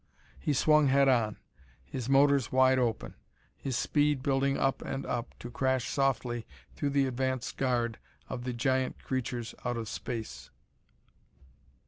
He swung head on, his motors wide open, his speed building up and up, to crash softly through the advance guard of the giant creatures out of space.